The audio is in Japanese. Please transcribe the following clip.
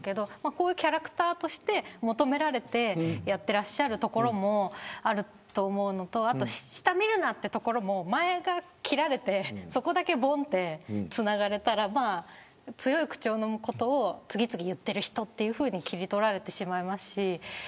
こういうキャラクターとして求められてやっていらっしゃるところもあると思うのと下を見るなというところも前が切られてそこだけつながれたら強い口調のことを次々と言っている人と切り取られてしまいます。